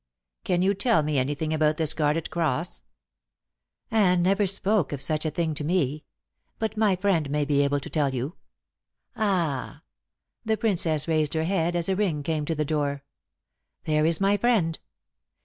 "Can you tell me anything about the Scarlet Cross?" "Anne never spoke of such a thing to me. But my friend may be able to tell you. Ah!" the Princess raised her head as a ring came to the door "there is my friend.